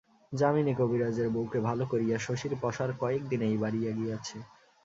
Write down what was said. যামিনী কবিরাজের বৌকে ভালো করিয়া শশীর পসার কয়েক দিনেই বাড়িয়া গিয়াছে।